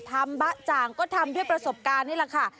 ทำบะจ่างก็ทำที่ประสบการณ์นี้แหละค่ะ